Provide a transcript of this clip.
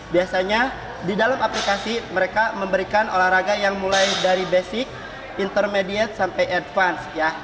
biasanya di dalam aplikasi mereka memberikan olahraga yang mulai dari basic intermediate sampai advance